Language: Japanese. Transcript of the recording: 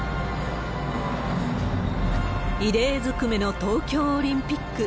異例ずくめの東京オリンピック。